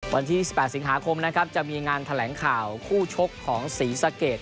วันที่๑๘สิงหาคมนะครับจะมีงานแถลงข่าวคู่ชกของศรีสะเกด